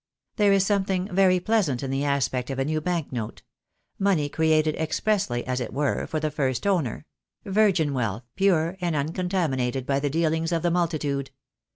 There is something very pleasant in the aspect of a new bank note; money created expressly, as it were, for the first owner; virgin wealth, pure and uncontaminated by the dealings of the multitude.